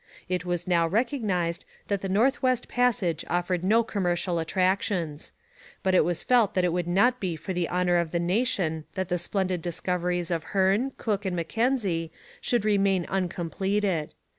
It was now recognized that the North West Passage offered no commercial attractions. But it was felt that it would not be for the honour of the nation that the splendid discoveries of Hearne, Cook and Mackenzie should remain uncompleted.